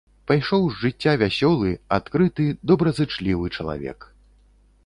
Пайшоў з жыцця вясёлы, адкрыты, добразычлівы чалавек.